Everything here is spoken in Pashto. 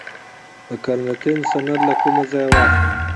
د قرنطین سند له کوم ځای واخلم؟